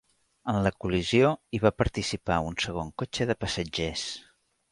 En la col·lisió hi va participar un segon cotxe de passatgers.